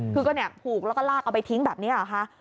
คือก็เนี่ยผูกแล้วก็ลากเอาไปทิ้งแบบนี้เหรอคะ